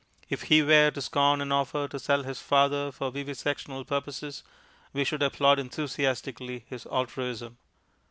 If he were to scorn an offer to sell his father for vivisectional purposes, we should applaud enthusiastically his altruism.